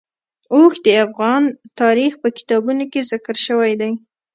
اوښ د افغان تاریخ په کتابونو کې ذکر شوی دی.